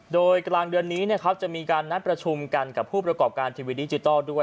โดยกลางเดือนนี้จะมีการนัดประชุมกันกับผู้ประกอบการทีวีดิจิทัลด้วย